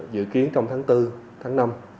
dự kiến trong tháng bốn tháng năm